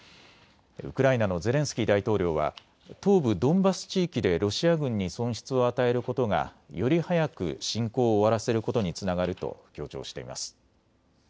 ウクライナのゼレンスキー大統領は東部ドンバス地域でロシア軍に損失を与えることがより早く侵攻を終わらせることにつながると強調しています。